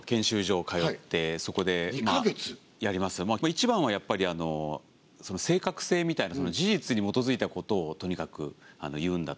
一番はやっぱり正確性みたいな事実に基づいたことをとにかく言うんだと。